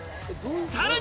さらに！